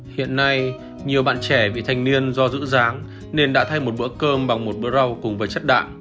hiện nay nhiều bạn trẻ bị thanh niên do dữ dáng nên đã thay một bữa cơm bằng một bữa rau cùng với chất đạm